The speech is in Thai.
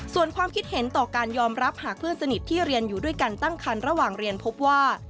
ส่วนความคิดเห็นต่อการยอมรับหากเพื่อนสนิทที่เรียนอยู่ด้วยกันตั้งคันระหว่างเรียนพบว่า